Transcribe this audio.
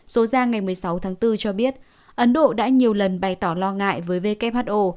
số ra ngày một mươi sáu tháng bốn cho biết ấn độ đã nhiều lần bày tỏ lo ngại với who